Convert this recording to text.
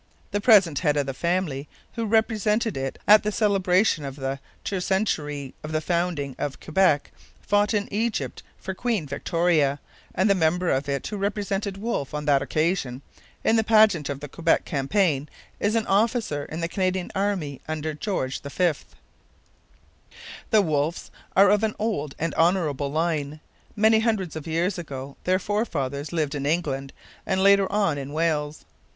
The present head of the family, who represented it at the celebration of the tercentenary of the founding of Quebec, fought in Egypt for Queen Victoria; and the member of it who represented Wolfe on that occasion, in the pageant of the Quebec campaign, is an officer in the Canadian army under George V. The Wolfes are of an old and honourable line. Many hundreds of years ago their forefathers lived in England and later on in Wales.